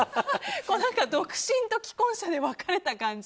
独身と既婚者で分かれた感じ。